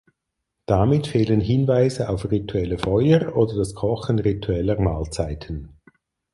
Damit fehlen Hinweise auf rituelle Feuer oder das Kochen ritueller Mahlzeiten.